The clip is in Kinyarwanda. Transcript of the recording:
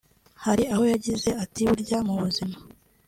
Hari aho yagize ati “Burya mu buzima